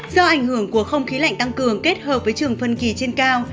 do ảnh hưởng của không khí lạnh tăng cường kết hợp với trường phân kỳ trên cao